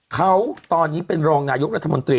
เขาตอนนี้เป็นรองนายกรัฐมนตรี